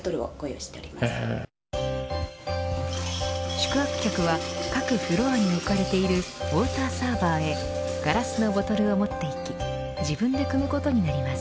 宿泊客は各フロアに置かれているウォーターサーバーへガラスのボトルを持っていき自分でくむことになります。